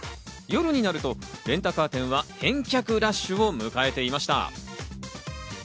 夜になるとレンタカー店は返却ラッシュを迎えていました。